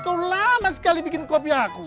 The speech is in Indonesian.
kau lama sekali bikin kopi aku